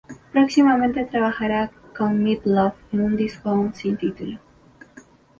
Próximamente trabajara con Meat Loaf, en un disco aún sin título.